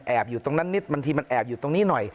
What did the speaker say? อยู่ตรงนั้นนิดบางทีมันแอบอยู่ตรงนี้หน่อย